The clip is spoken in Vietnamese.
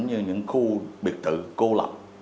như những khu biệt thự cô lập